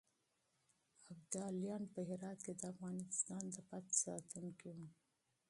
ابدالیان په هرات کې د افغانستان د عزت ساتونکي وو.